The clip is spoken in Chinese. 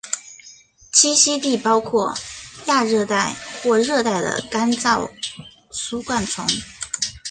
栖息地包括亚热带或热带的干燥疏灌丛。